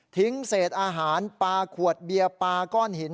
เศษอาหารปลาขวดเบียร์ปลาก้อนหิน